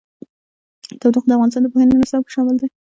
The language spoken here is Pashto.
تودوخه د افغانستان د پوهنې نصاب کې شامل دي.